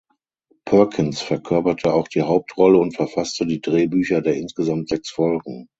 Perkins verkörperte auch die Hauptrolle und verfasste die Drehbücher der insgesamt sechs Folgen.